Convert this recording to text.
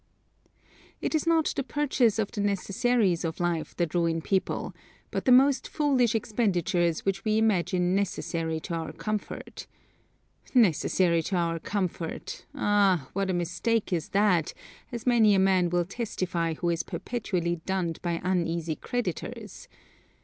It is not the purchase of the necessaries of life that ruin people, but the most foolish expenditures which we imagine necessary to our comfort. Necessary to our comfort; Ah! what a mistake is that, as many a man will testify who is perpetually dunned by uneasy creditors.